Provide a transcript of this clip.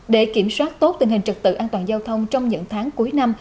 để kiểm soát tốt tình hình trật tự an toàn giao thông trong những tháng cuối năm